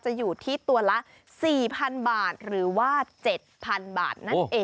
อยู่ที่ตัวละ๔๐๐๐บาทหรือว่า๗๐๐บาทนั่นเอง